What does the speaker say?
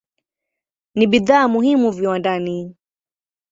Ni bidhaa muhimu viwandani.